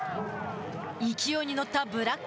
勢いに乗ったブラック